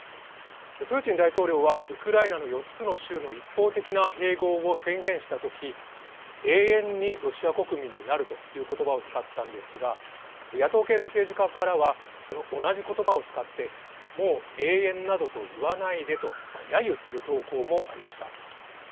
プーチン大統領はウクライナの４つの州の一方的な併合を宣言した時永遠にロシア国民になるという言葉を使ったんですが野党系の政治家からはこの同じ言葉を使ってもう永遠などと言わないでとやゆする投稿もありました。